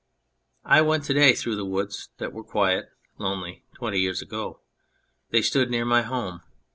I went to day through woods that were quite lonely twenty years ago. They stood near my home.